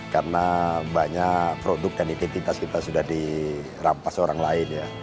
karena banyak produk dan identitas kita sudah dirampas orang lain ya